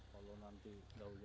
kalau nanti enggak hujan hujan